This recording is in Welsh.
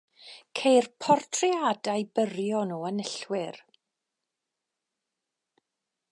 Ceir portreadau byrion o enillwyr.